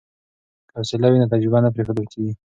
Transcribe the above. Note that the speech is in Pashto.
که حوصله وي نو تجربه نه پریښودل کیږي.